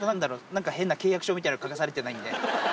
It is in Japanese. なんか変な契約書みたいなの書かされてないので。